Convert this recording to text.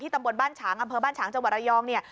ตำบลบ้านฉางอำเภอบ้านฉางจังหวัดระยองเนี่ย